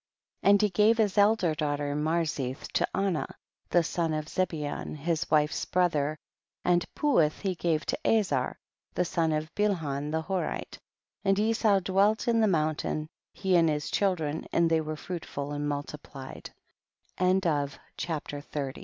29. And he gave his elder daugh ter Marzith to Anah, the son of Ze beon, his wife's brother, and Puith he gave to Azar, the son of Bilhan the Horite ; and Esau dwelt in the mountain, he and his children, and they were fruitful a